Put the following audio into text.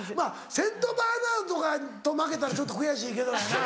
セント・バーナードとかと負けたらちょっと悔しいけどやな。